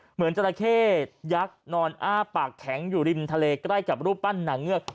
จราเข้ยักษ์นอนอ้าปากแข็งอยู่ริมทะเลใกล้กับรูปปั้นนางเงือก